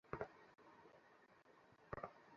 কিন্তু এই কান্না অস্বাভাবিক লাগছে।